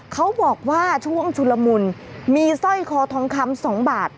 เขาบอกว่าช่วงชุลมุนมีสร้อยคอทองคำ๒บาท